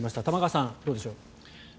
玉川さんどうでしょう。